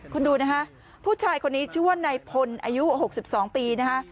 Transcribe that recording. คุณดูนะคะผู้ชายคนนี้ชื่อว่านายพลอายุ๖๒ปีนะคะ